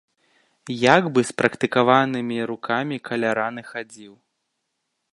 Як бы спрактыкаванымі рукамі каля раны хадзіў.